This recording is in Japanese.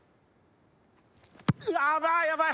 やばいやばい！